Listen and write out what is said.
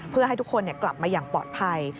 เพื่อให้ทุกคนกลับมาอย่างปลอดภัย